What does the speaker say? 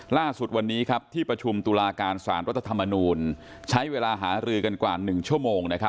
ล่าสุดวันนี้ที่ประชุมตุลาการสารรัฐธรรมนูลใช้เวลาหารือกันกว่า๑ชั่วโมง